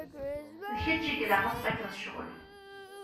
D kečč i ilaq ad tfakkeḍ ccɣel.